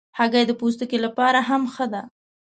هګۍ د پوستکي لپاره هم ښه ده.